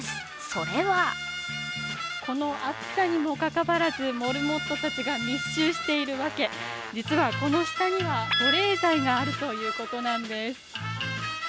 それはこの暑さにもかかわらずモルモットたちが密集しているわけ実はこの下には保冷剤があるということなんです。